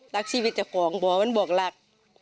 รักชีวิตเจ้าของบ่อมันบอกรัก